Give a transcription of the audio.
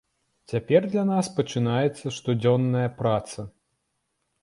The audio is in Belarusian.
Цяпер для нас пачынаецца штодзённая праца.